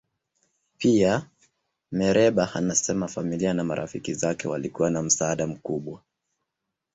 Pia, Mereba anasema familia na marafiki zake walikuwa na msaada mkubwa.